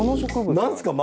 何ですか？